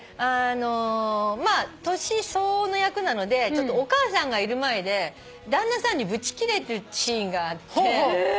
まあ年相応の役なのでお母さんがいる前で旦那さんにぶちキレるシーンがあって。